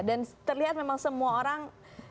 dan terlihat memang semua orang